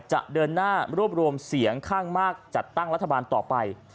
จะเดินหน้ารวบรวมเสียงข้างมากจัดตั้งรัฐบาลต่อไป